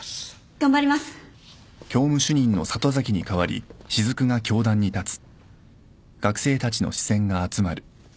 頑張ります。